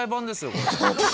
これ。